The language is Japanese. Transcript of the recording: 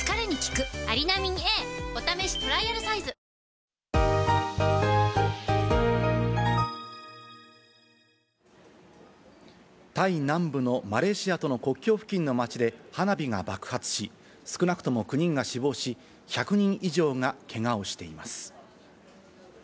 東京海上日動タイ南部のマレーシアとの国境付近の町で花火が爆発し、少なくとも９人が死亡し、１００人以上がけがをしています。